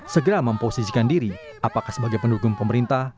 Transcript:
segera memposisikan diri apakah sebagai pendukung pemerintah